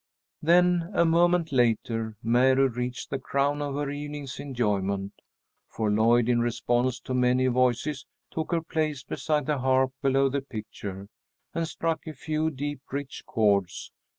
Then, a moment later, Mary reached the crown of her evening's enjoyment, for Lloyd, in response to many voices, took her place beside the harp below the picture, and struck a few deep, rich chords.